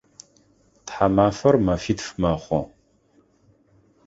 Тхьамафэр мэфитф мэхъу.